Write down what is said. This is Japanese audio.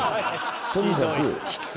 とにかく。